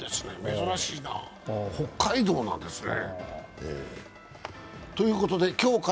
珍しいな、北海道なんですね。